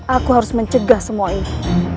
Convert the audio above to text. aku harus mencegah semua ini